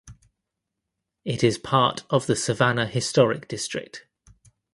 It is part of the Savannah Historic District.